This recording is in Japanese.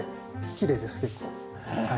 きれいです結構。